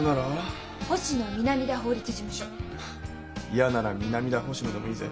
嫌なら「南田・星野」でもいいぜ。